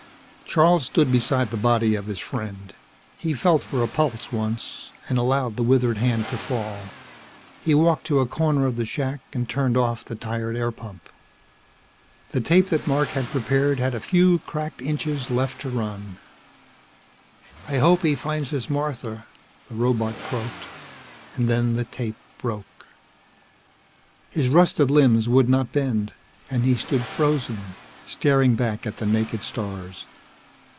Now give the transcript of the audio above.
Charles stood beside the body of his friend. He felt for a pulse once, and allowed the withered hand to fall. He walked to a corner of the shack and turned off the tired air pump. The tape that Mark had prepared had a few cracked inches left to run. "I hope he finds his Martha," the robot croaked, and then the tape broke. His rusted limbs would not bend, and he stood frozen, staring back at the naked stars.